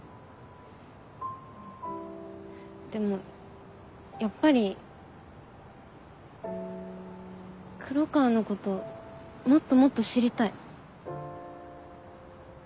でもやっぱり黒川のこともっともっと知りたい。